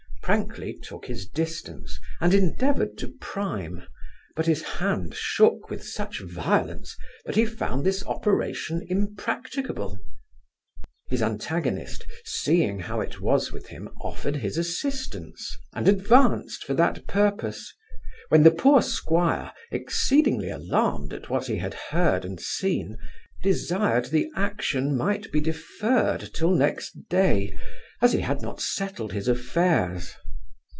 Prankley took his distance, and endeavoured to prime, but his hand shook with such violence, that he found this operation impracticable His antagonist, seeing how it was with him, offered his assistance, and advanced for that purpose; when the poor squire, exceedingly alarmed at what he had heard and seen, desired the action might be deferred till next day, as he had not settled his affairs.